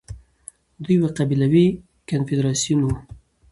دوی يو قبيلوي کنفدراسيون وو